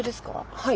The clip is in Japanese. はい。